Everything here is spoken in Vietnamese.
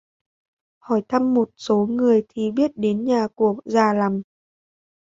Hỏi thăm một số người thì biết đến nhà của già làm